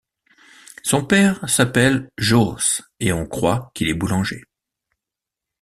Son père s'appele Joos et on croit qu'il est boulanger.